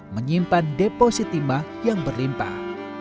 menyimpan deposit timah yang berlimpah